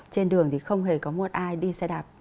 trên đường thì không hề có một ai đi xe đạp